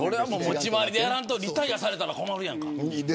持ち回りでやらんとリタイアされたら困るやんか。